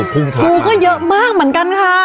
ภูก็เยอะมากเหมือนกันค่ะ